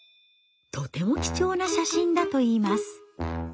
とても貴重な写真だといいます。